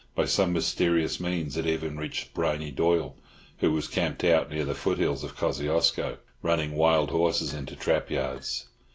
By some mysterious means it even reached Briney Doyle, who was camped out near the foothills of Kosciusko, running wild horses into trap yards.